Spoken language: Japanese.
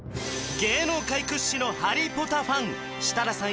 芸能界屈指のハリポタファン設楽さん